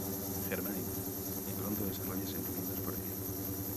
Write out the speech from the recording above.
Germain, y pronto desarrolla sentimientos por ella.